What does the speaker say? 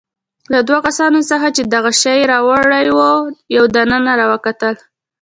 له دوو کسانو څخه چې دغه شی يې راوړی وو، یو دننه راوکتل.